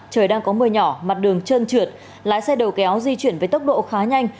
trời đang có mưa nhỏ mặt đường trơn trượt lái xe đầu kéo di chuyển với tốc độ khá nhanh